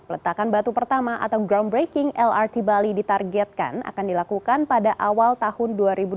letakan batu pertama atau groundbreaking lrt bali ditargetkan akan dilakukan pada awal tahun dua ribu dua puluh